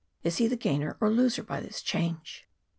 Is he the gainer or loser by this change